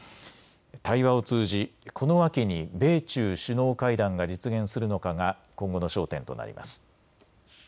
対話を通じ、この秋に米中首脳会談が実現するのかが今後の焦点となります。